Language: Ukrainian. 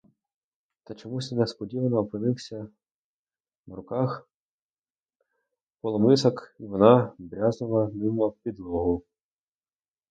Та чомусь несподівано опинився в руках полумисок, і вона брязнула ним об підлогу.